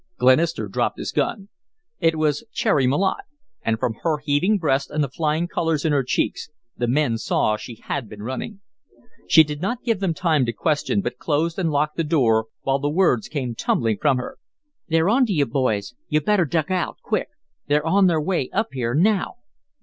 Glenister dropped his gun. It was Cherry Malotte; and, from her heaving breast and the flying colors in her cheeks, the men saw she had been running. She did not give them time to question, but closed and locked the door while the words came tumbling from her: "They're on to you, boys you'd better duck out quick. They're on their way up here now."